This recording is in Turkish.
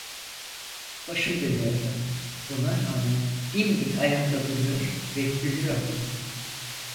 Başım dönüyordu, buna rağmen dimdik ayakta duruyor ve gülüyordum.